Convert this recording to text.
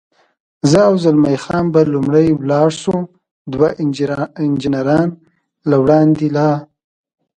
زه او زلمی خان به لومړی ولاړ شو، دوه انجنیران له وړاندې لا.